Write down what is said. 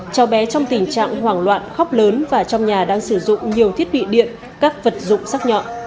cháu bé trong tình trạng hoảng loạn khóc lớn và trong nhà đang sử dụng nhiều thiết bị điện các vật dụng sắc nhọn